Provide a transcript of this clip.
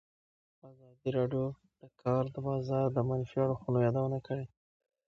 ازادي راډیو د د کار بازار د منفي اړخونو یادونه کړې.